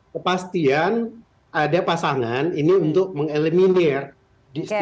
kepastian ada pasangan ini untuk mengeliminir di stigmatisasi